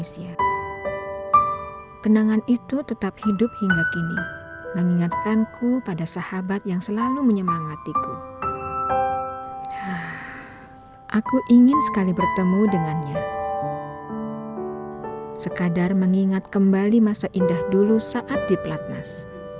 sekadar mengingat kembali masa indah dulu saat di platnas